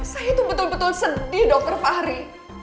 saya itu betul betul sedih dokter fahri